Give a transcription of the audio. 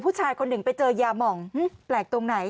ผู้ชายคนหนึ่งไปเจอยามองแปลกตรงไหน